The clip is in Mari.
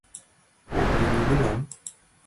Ок лий нигунам.